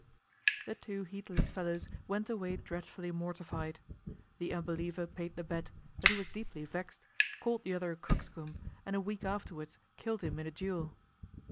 "The two heedless fellows went away dreadfully mortified. The unbeliever paid the bet, but he was deeply vexed, called the other a coxcomb, and a week afterwards killed him in a duel.